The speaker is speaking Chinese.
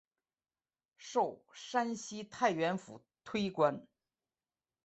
授山西太原府推官。